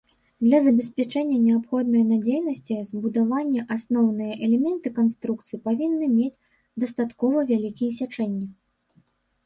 Для забеспячэння неабходнай надзейнасці збудаванні асноўныя элементы канструкцый павінны мець дастаткова вялікія сячэнні.